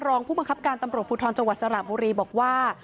รองผู้บังคับการตำรวจภูทรจังหวัดสระบุรีบอกว่า